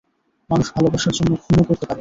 মানুষ ভালোবাসার জন্য খুনও করতে পারে!